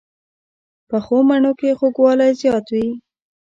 پخو مڼو کې خوږوالی زیات وي